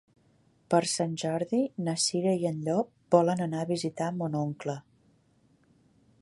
Per Sant Jordi na Cira i en Llop volen anar a visitar mon oncle.